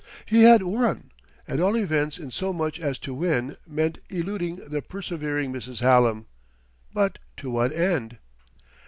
He had won; at all events in so much as to win meant eluding the persevering Mrs. Hallam. But to what end?